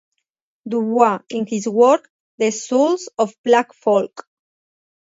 Du Bois in his work "The Souls of Black Folk".